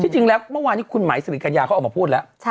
จริงแล้วเมื่อวานนี้คุณไหมสิริกัญญาเขาออกมาพูดแล้ว